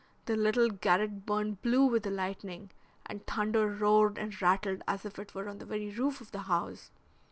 The little garret burned blue with the lightning, and thunder roared and rattled as if it were on the very roof of the house.